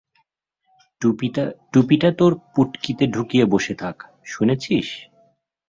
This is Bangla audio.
টুপিটা তোর পুটকিতে ঢুকিয়ে বসে থাক, শুনেছিস?